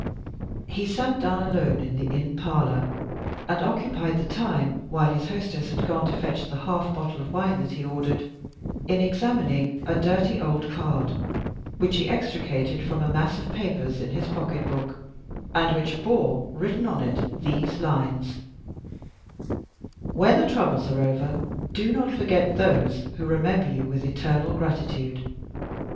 He sat down alone in the inn parlor, and occupied the time, while his hostess had gone to fetch the half bottle of wine that he ordered, in examining a dirty old card which he extricated from a mass of papers in his pocket book, and which bore, written on it, these lines: "When the troubles are over, do not forget those who remember you with eternal gratitude.